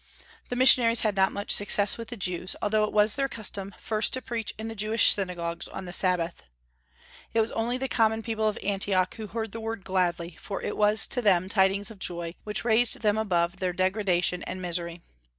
The missionaries had not much success with the Jews, although it was their custom first to preach in the Jewish synagogues on the Sabbath. It was only the common people of Antioch who heard the word gladly, for it was to them tidings of joy, which raised them above their degradation and misery.